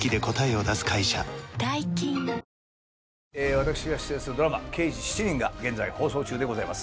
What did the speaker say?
私が出演するドラマ『刑事７人』が現在放送中でございます。